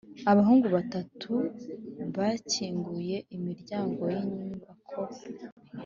] abahungu batatu bakinguye imiryango yinyubako.